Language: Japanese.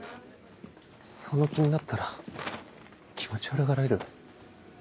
その気になったら気持ち悪がられる。